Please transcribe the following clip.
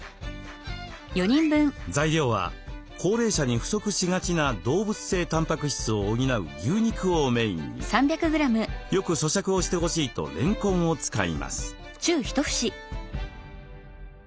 材料は高齢者に不足しがちな動物性たんぱく質を補う牛肉をメインによくそしゃくをしてほしいとれんこんを使います。